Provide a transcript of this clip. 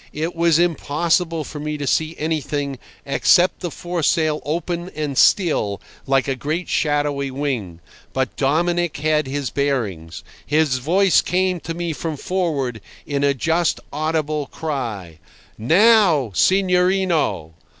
It was impossible for me to see anything except the foresail open and still, like a great shadowy wing. But Dominic had his bearings. His voice came to me from forward, in a just audible cry: "Now, signorino!"